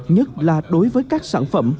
nhất là đối với các sản phẩm